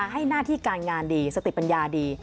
ให้หน้าที่การงานดีสติปัญญาดี